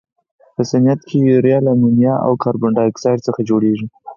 په صنعت کې یوریا له امونیا او کاربن ډای اکسایډ څخه جوړیږي.